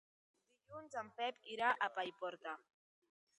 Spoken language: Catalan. Dilluns en Pep irà a Paiporta.